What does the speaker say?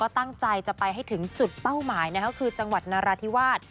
ตั้งใจจะไปให้ถึงจุดเป้าหมายก็คือจังหวัดนราธิวาส